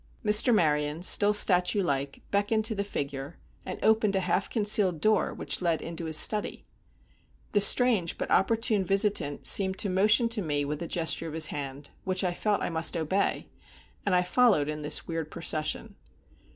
Mr. Maryon, still statue like, beckoned to the figure, and opened a half concealed door which led into his study. The strange but opportune visitant seemed to motion to me with a gesture of his hand, which I felt I must obey, and I followed in this weird procession.